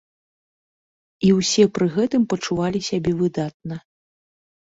І ўсе пры гэтым пачувалі сябе выдатна.